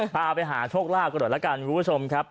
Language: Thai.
พาไปหาโชคลาภกันหน่อยละกันคุณผู้ชมครับ